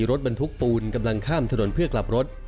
รถบรรทุกปูนกำลังข้ามถนนเพื่อกลับรถ